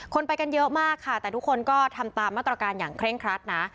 ไปกันเยอะมากค่ะแต่ทุกคนก็ทำตามมาตรการอย่างเคร่งครัดนะ